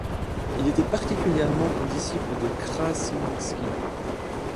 Il était particulièrement un disciple de Krasiński.